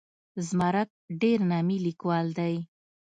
زمرک ډېر نامي لیکوال دی.